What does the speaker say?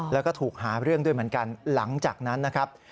แล้วก็ถูกหาเรื่องด้วยเหมือนกันหลังจากนั้นนะครับ